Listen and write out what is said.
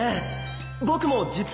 僕も実は